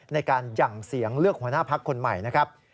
ในการหยั่งเสียงเลือกหัวหน้าพักคนใหม่นะครับ